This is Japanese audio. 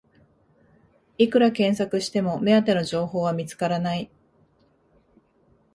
いくら検索しても目当ての情報は見つからない